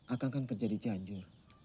akang kan kerja di cianjur